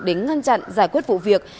để ngăn chặn giải quyết vụ việc